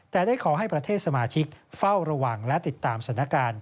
แต่ได้ขอให้ประเทศสมาชิกเฝ้าระวังและติดตามสถานการณ์